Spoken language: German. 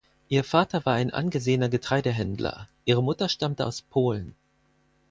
Ihr Vater war ein angesehener Getreidehändler, ihre Mutter stammte aus Polen.